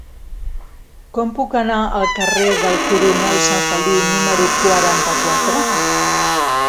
Com puc anar al carrer del Coronel Sanfeliu número quaranta-quatre?